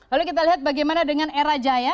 lalu kita lihat bagaimana dengan era jaya